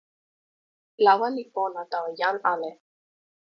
lawa li pona tawa jan ale.